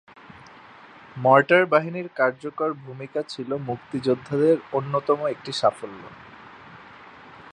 Mortar বাহিনীর কার্যকর ভূমিকা ছিলো মুক্তিযোদ্ধাদের অন্যতম একটি সাফল্য।